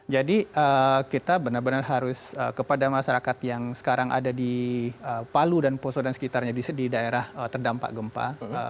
jadi kita benar benar harus kepada masyarakat yang sekarang ada di palu dan poso dan sekitarnya di daerah terdampak gempa